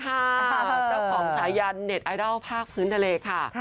เจ้าของสายันเน็ตไอดอลภาคพื้นทะเลค่ะ